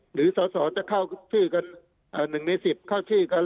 หรือสอสอจะเข้าชื่อกัน๑ใน๑๐เข้าชื่อกัน